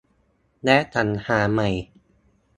และ สรรหาใหม่